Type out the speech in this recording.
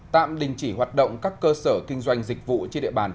tạm đình chỉ hoạt động các cơ sở kinh doanh dịch vụ trên địa bàn